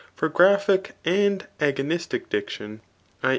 251 graphic and agomstic diction [i.